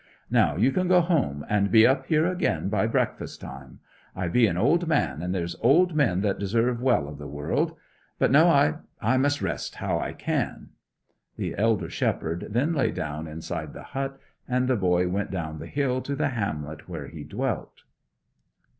Now you can go home, and be up here again by breakfast time. I be an old man, and there's old men that deserve well of the world; but no I must rest how I can!' The elder shepherd then lay down inside the hut, and the boy went down the hill to the hamlet where he dwelt.